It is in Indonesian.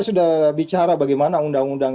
sudah bicara bagaimana undang undang